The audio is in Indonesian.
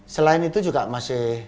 selain itu juga masih